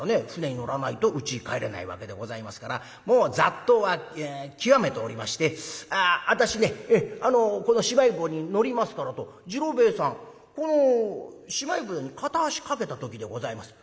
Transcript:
舟に乗らないとうちに帰れないわけでございますからもうざっと極めておりまして「私ねこのしまい舟に乗りますから」と次郎兵衛さんこのしまい舟に片足かけた時でございます。